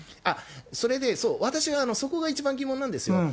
それで、そう、私はそこが一番疑問なんですよ。